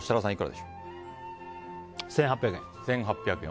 １８００円。